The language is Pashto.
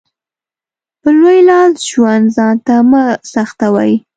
په لوی لاس ژوند ځانته مه سخوئ.